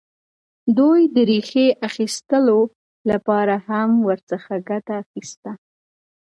دوی د ریښې ایستلو لپاره هم ورڅخه ګټه اخیسته.